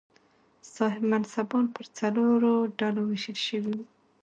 صاحب منصبان پر څلورو ډلو وېشل شوي وو.